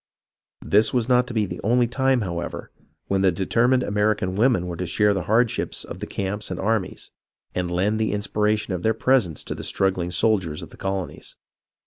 This was not to be the only time, however, when the determined American women were to share the hardships of the camps and armies, and lend the inspiration of their presence to the struggling soldiers of the colonies.